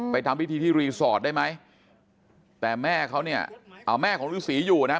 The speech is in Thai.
ทำพิธีที่รีสอร์ทได้ไหมแต่แม่เขาเนี่ยเอาแม่ของฤษีอยู่นะ